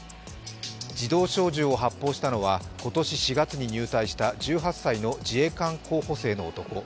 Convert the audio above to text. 自動小銃を発砲したのは今年４月に入隊した１８歳の自衛官候補生の男。